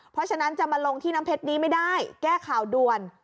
เพราะฉะนั้นจะมาลงที่น้ำเพชรนี้ไม่ได้แก้ข่าวด่วน